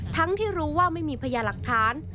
ทั้งที่รู้ว่าไม่มีพยาหลักฐาน